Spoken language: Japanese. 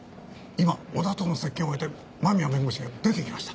今小田との接見を終えて間宮弁護士が出ていきました。